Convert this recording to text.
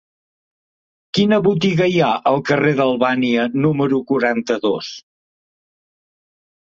Quina botiga hi ha al carrer d'Albània número quaranta-dos?